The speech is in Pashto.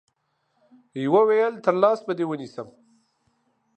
يوه ويل تر لاس به دي ونيسم